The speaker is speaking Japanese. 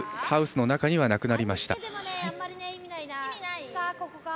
ハウスの中にはなくなりました。